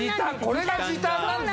これが時短なんですね